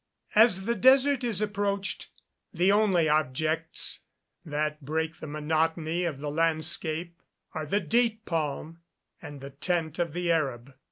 As the desert is approached, the only objects that break the monotony of the landscape are the date palm, and the tent of the Arab.